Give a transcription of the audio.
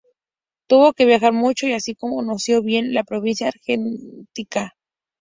Tuvo que viajar mucho, y así conoció bien la provincia argentina.